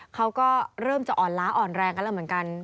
เขาก็เริ่มจะอ่อนล้าอ่อนแรงกันแล้วเหมือนกัน